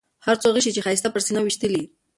هر څو غشي چې ښایسته پر سینه ویشتلي.